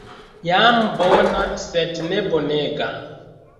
Jam bona sed ne bonega.